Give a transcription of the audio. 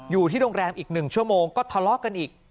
อยู่ที่โรงแรมอีก๑ชั่วโมงก็ทะเลาะกันอีก